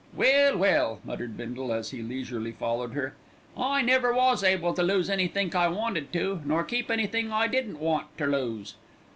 "Well, well!" muttered Bindle as he leisurely followed her. "I never was able to lose anythink I wanted to, nor keep anythink I didn't want ter lose.